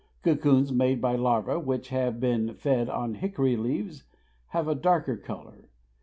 Cocoons made by larva which have been fed on hickory leaves have a darker color.